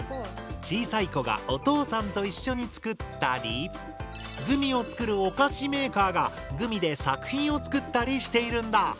小さい子がお父さんと一緒に作ったりグミを作るお菓子メーカーがグミで作品を作ったりしているんだ！